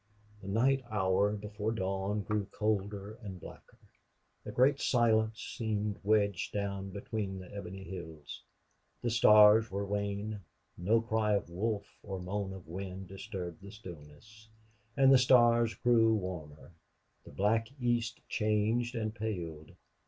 The night hour before dawn grew colder and blacker. A great silence seemed wedged down between the ebony hills. The stars were wan. No cry of wolf or moan of wind disturbed the stillness. And the stars grew warmer. The black east changed and paled.